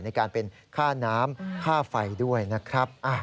ในการเป็นค่าน้ำค่าไฟด้วยนะครับ